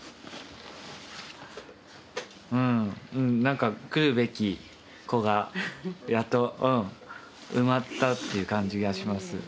うんうんなんか来るべき子がやっと埋まったっていう感じがします。